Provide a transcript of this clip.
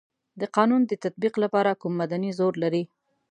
د قانون د تطبیق لپاره کوم مدني زور لري.